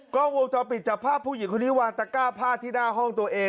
ก็วงจอปิดจับภาพผู้หญิงคนนี้วางตะก้าผ้าที่หน้าห้องตัวเอง